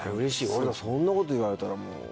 俺そんなこと言われたらもう。